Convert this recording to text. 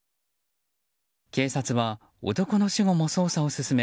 警察は男の死後も捜査を進め